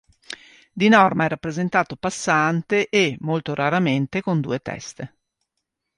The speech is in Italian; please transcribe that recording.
Di norma è rappresentato passante e, molto raramente, con due teste.